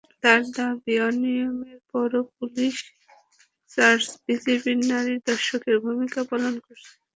তাঁর দাবি, অনিয়মের পরও পুলিশ, র্যাব, বিজিবি নীরব দর্শকের ভূমিকা পালন করেছে।